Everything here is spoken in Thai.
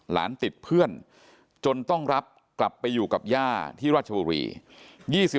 ติดเพื่อนจนต้องรับกลับไปอยู่กับย่าที่ราชบุรี